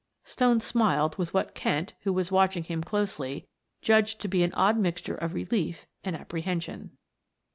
Stone smiled with what Kent, who was watching him closely, judged to be an odd mixture of relief and apprehension.